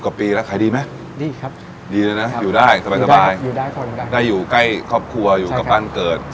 กว่าปีแล้วขายดีไหมดีครับดีเลยนะอยู่ได้สบายสบายอยู่ได้อยู่ใกล้ครอบครัวอยู่กับบ้านเกิด